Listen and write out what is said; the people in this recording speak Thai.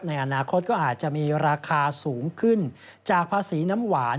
ในอนาคตก็อาจจะมีราคาสูงขึ้นจากภาษีน้ำหวาน